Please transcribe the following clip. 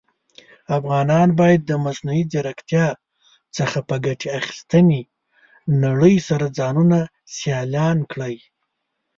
افغانان بايد د مصنوعى ځيرکتيا څخه په ګټي اخيستنې نړئ سره ځانونه سيالان کړى.